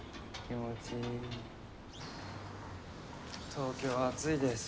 東京は暑いです。